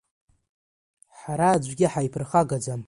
Ҳара аӡәгьы ҳаиԥырхагаӡам!